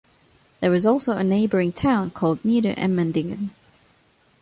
There was also a neighboring town called Nieder-Emmendingen.